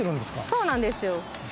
そうなんですよ。